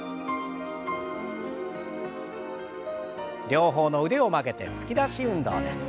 両方の腕を曲げて突き出し運動です。